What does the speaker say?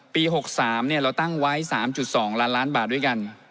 ๖๓เราตั้งไว้๓๒ล้านล้านบาทด้วยกัน